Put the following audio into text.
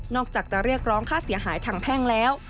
อกจากจะเรียกร้องค่าเสียหายทางแพ่งแล้ว